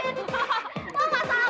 ini tuh bukan terjun sante